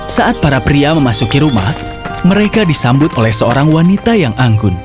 saat para pria memasuki rumah mereka disambut oleh seorang wanita yang anggun